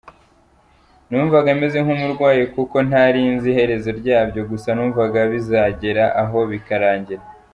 Numvaga meze nk’umurwayi kuko ntari nzi iherezo ryabyo gusa numvaga bizagera aho bikarangira.